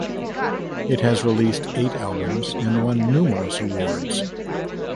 It has released eight albums and won numerous awards.